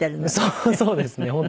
そうそうですね本当。